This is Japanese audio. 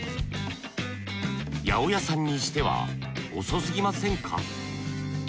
八百屋さんにしては遅すぎませんか？